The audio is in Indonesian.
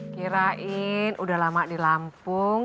kirain udah lama di lampung